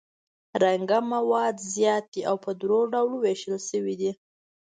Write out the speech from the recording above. رنګه مواد زیات دي او په دریو ډولو ویشل شوي دي.